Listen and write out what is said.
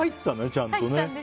ちゃんと。